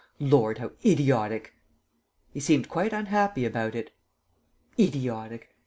Lord, how idiotic!" He seemed quite unhappy about it: "Idiotic!